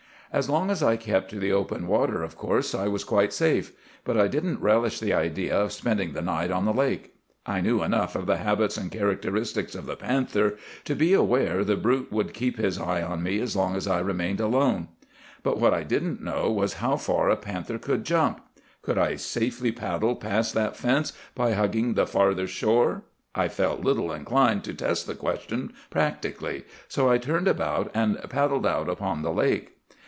As long as I kept to the open water, of course I was quite safe; but I didn't relish the idea of spending the night on the lake. I knew enough of the habits and characteristics of the panther to be aware the brute would keep his eye on me as long as I remained alone. But what I didn't know was how far a panther could jump! Could I safely paddle past that fence by hugging the farther shore? I felt little inclined to test the question practically; so I turned about and paddled out upon the lake.